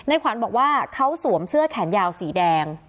ขวัญบอกว่าเขาสวมเสื้อแขนยาวสีแดง